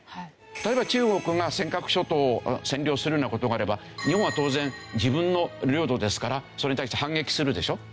例えば中国が尖閣諸島を占領するような事があれば日本は当然自分の領土ですからそれに対して反撃するでしょ。